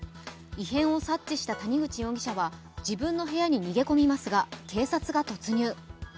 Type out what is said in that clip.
異変を察知した谷口容疑者は自分の部屋に逃げ込みますが警察が突入。